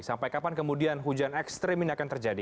sampai kapan kemudian hujan ekstrim ini akan terjadi